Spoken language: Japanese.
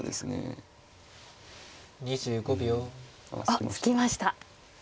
あっ突きました。